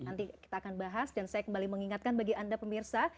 nanti kita akan bahas dan saya kembali mengingatkan bagi anda pemirsa